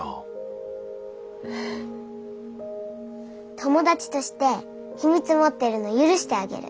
友達として秘密持ってるの許してあげる。